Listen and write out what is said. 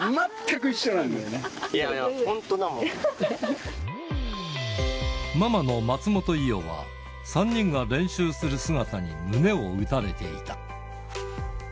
いや、ママの松本伊代は、３人が練習する姿に胸を打たれていた。